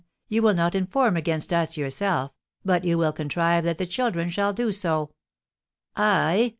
You will not inform against us yourself, but you will contrive that the children shall do so." "I?"